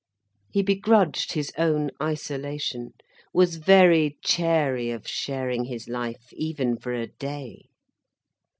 He begrudged his own isolation, was very chary of sharing his life, even for a day.